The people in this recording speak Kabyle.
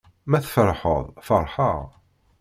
Ma tfeṛḥeḍ feṛḥeƔ.